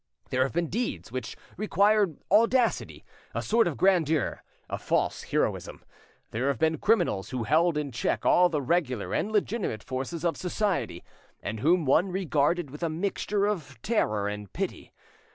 There have been deeds which required audacity, a sort of grandeur, a false heroism; there have been criminals who held in check all the regular and legitimate forces of society, and whom one regarded with a mixture of terror and pity.